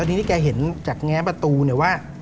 ทีนี้แกเห็นจากแง้ประตูเนี่ยว่า